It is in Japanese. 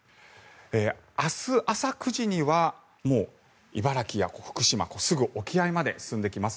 明日朝９時にはもう茨城や福島すぐ沖合まで進んできます。